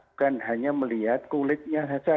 bukan hanya melihat kulitnya saja